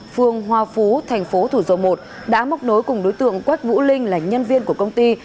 phường hoa phú tp thủ dầu một đã móc nối cùng đối tượng quách vũ linh là nhân viên của công ty